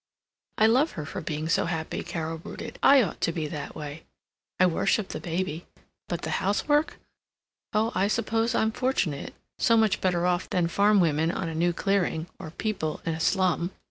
"I love her for being so happy," Carol brooded. "I ought to be that way. I worship the baby, but the housework Oh, I suppose I'm fortunate; so much better off than farm women on a new clearing, or people in a slum."